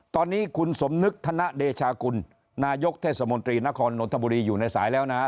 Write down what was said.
ตอนนี้คุณสมนึกธนเดชากุลนายกเทศมนตรีนครนนทบุรีอยู่ในสายแล้วนะฮะ